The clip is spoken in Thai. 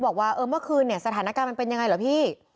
บอกว่าเออเมื่อคืนเนี่ยสถานการณ์มันเป็นยังไงเหรอพี่